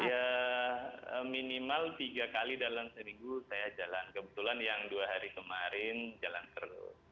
ya minimal tiga kali dalam seminggu saya jalan kebetulan yang dua hari kemarin jalan terus